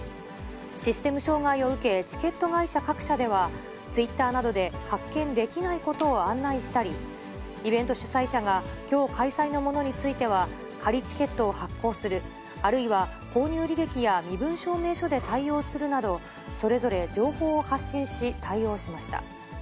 システム障害を受け、チケット会社各社では、ツイッターなどで発券できないことを案内したり、イベント主催者が、きょう開催のものについては、仮チケットを発行する、あるいは購入履歴や身分証明書で対応するなど、それぞれ情報を発信し、対応しました。